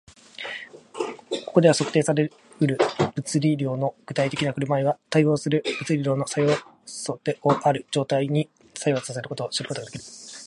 ここでは、測定され得る物理量の具体的な振る舞いは、対応する物理量の作用素をある状態に作用させることによって知ることができる